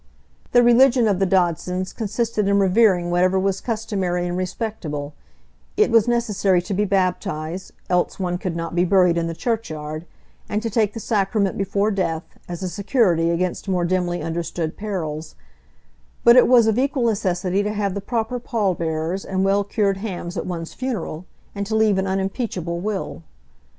The religion of the Dodsons consisted in revering whatever was customary and respectable; it was necessary to be baptised, else one could not be buried in the church yard, and to take the sacrament before death, as a security against more dimly understood perils; but it was of equal necessity to have the proper pall bearers and well cured hams at one's funeral, and to leave an unimpeachable will.